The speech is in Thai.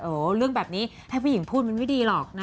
โอ้โหเรื่องแบบนี้ถ้าผู้หญิงพูดมันไม่ดีหรอกนะ